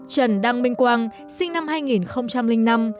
trần đăng minh quang sinh năm hai nghìn năm